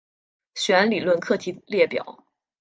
弦理论课题列表。